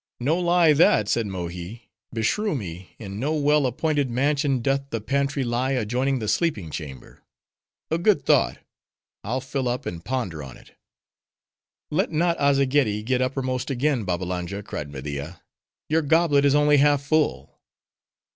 "No lie that!" said Mohi. "Beshrew me, in no well appointed mansion doth the pantry lie adjoining the sleeping chamber. A good thought: I'll fill up, and ponder on it." "Let not Azzageddi get uppermost again, Babbalanja," cried Media. "Your goblet is only half full."